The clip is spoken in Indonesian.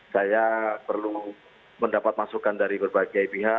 saya perlu mendapat masukan dari berbagai pihak